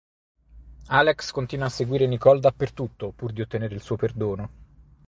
Alex continua a seguire Nicole dappertutto, pur di ottenere il suo perdono.